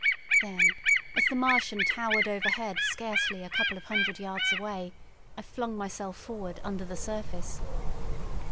Then, as the Martian towered overhead scarcely a couple of hundred yards away, I flung myself forward under the surface.